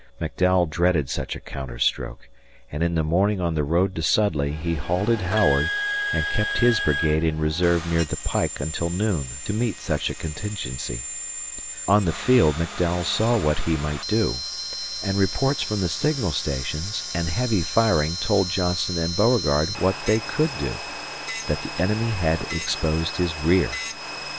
McDowell dreaded such a counterstroke, and in the morning on the road to Sudley he halted Howard and kept his brigade in reserve near the pike until noon to meet such a contingency. On the field McDowell saw what he might do; and reports from the signal stations and heavy firing told Johnston and Beauregard what they could do that the enemy had exposed his rear.